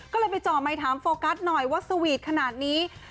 ก็เลยไปจ่อไมค์ถามโฟกัสหน่อยว่าสวีทขนาดนี้